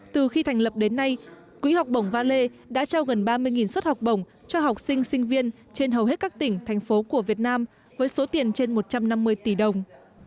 từ khi thành lập đến nay quỹ học bổng valet đã trao gần ba mươi suất học bổng cho học sinh sinh viên trên hầu hết các tỉnh thành phố của việt nam với số tiền trên một trăm năm mươi tỷ đồng